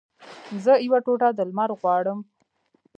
زه یوه ټوټه د لمر غواړم